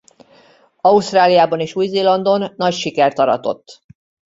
Ausztráliában és Új-Zélandon nagy sikert aratott.